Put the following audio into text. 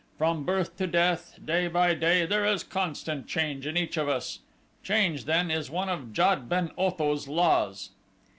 From birth to death, day by day, there is constant change in each of us. Change, then, is one of Jad ben Otho's laws.